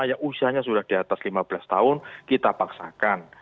yang usianya sudah di atas lima belas tahun kita paksakan